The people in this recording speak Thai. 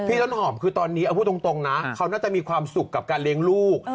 ต้นหอมคือตอนนี้เอาพูดตรงนะเขาน่าจะมีความสุขกับการเลี้ยงลูก